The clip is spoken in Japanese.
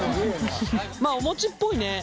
まあお餅っぽいね。